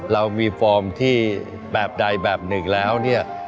เรามีฟอร์มที่แบบใดแบบหนึ่งแล้วเนี่ย